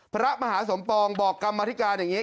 พระมหาสมปองบอกกรรมธิการอย่างนี้